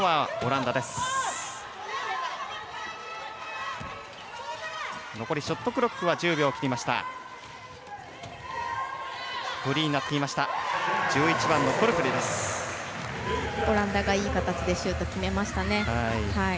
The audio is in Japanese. オランダがいい形でシュートを決めましたね。